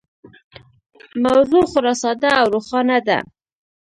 موضوع خورا ساده او روښانه ده.